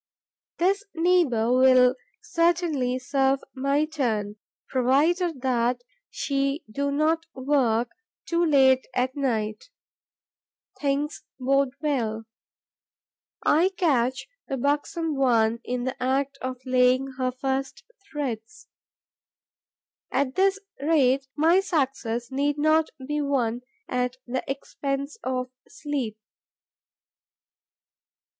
This neighbour will certainly serve my turn, provided that she do not work too late at night. Things bode well: I catch the buxom one in the act of laying her first threads. At this rate my success need not be won at the expense of sleep.